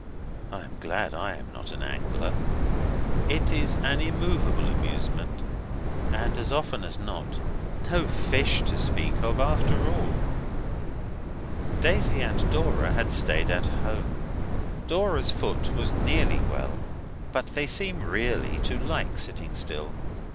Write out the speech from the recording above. I am glad I am not an angler. It is an immovable amusement, and, as often as not, no fish to speak of after all. Daisy and Dora had stayed at home: Dora's foot was nearly well but they seem really to like sitting still.